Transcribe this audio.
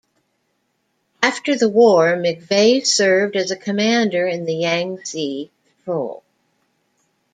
After the war, McVay served as a commander in the Yangtze Patrol.